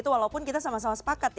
walaupun kita sama sama sepakat